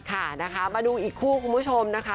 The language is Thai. ค่ะนะคะมาดูอีกคู่คุณผู้ชมนะคะ